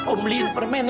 om liin permen ya